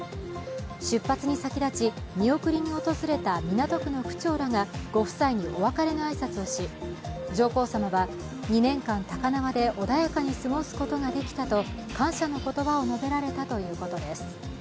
出発に先立ち見送りに訪れた港区の区長らがご夫妻にお別れの挨拶をし上皇さまは２年間、高輪で穏やかに過ごすことができたと感謝のことばを述べられたということです。